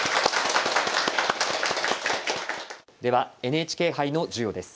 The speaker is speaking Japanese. ではＮＨＫ杯の授与です。